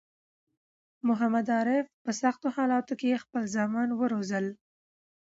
محمد عارف په سختو حالاتو کی خپل زامن وروزل